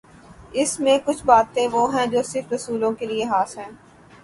اس میںکچھ باتیں وہ ہیں جو صرف رسولوں کے لیے خاص ہیں۔